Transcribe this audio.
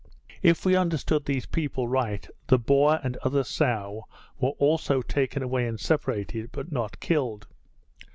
If we understood these people right, the boar and other sow were also taken away and separated, but not killed.